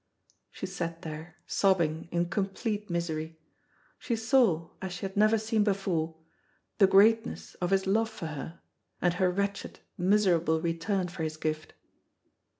She sat there sobbing in complete misery. She saw, as she had never seen before, the greatness of his love for her, and her wretched, miserable return for his gift.